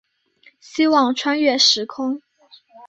希望穿越时空